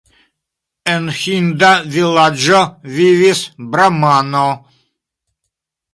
En ĥinda vilaĝo vivis bramano.